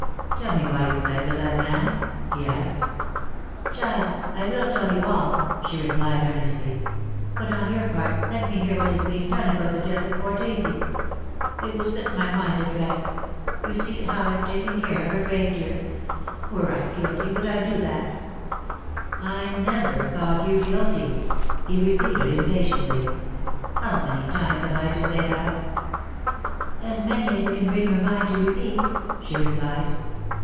"Tell me why you fled with that man," he asked. "Giles, I will tell you all," she replied earnestly, "but on your part let me hear what is being done about the death of poor Daisy. It will set my mind at rest. You see how I have taken care of her grave, dear. Were I guilty would I do that?" "I never thought you guilty," he repeated impatiently. "How many times have I to say that?" "As many as you can bring your mind to repeat," she replied.